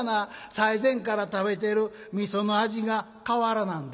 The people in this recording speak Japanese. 最前から食べている味噌の味が変わらなんだ」。